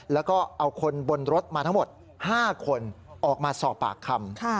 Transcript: แล้วก็เอาคนบนรถมาทั้งหมด๕คนออกมาสอบปากคำ